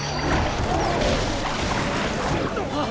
あっ！